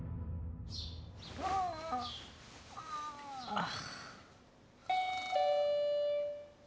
ああ！